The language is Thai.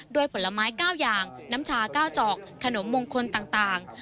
ผลไม้๙อย่างน้ำชา๙จอกขนมมงคลต่าง